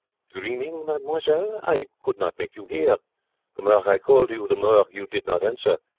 'Dreaming, mademoiselle? I could not make you hear. The more I call to you, the more you did not answer.